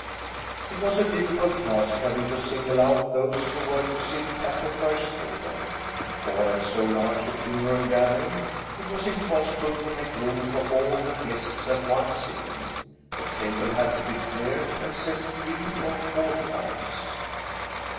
It was a difficult task having to single out those who were to sit at the first table. For at so large a funeral gathering it was impossible to make room for all the guests at one sitting. The table had to be cleared and set three or four times.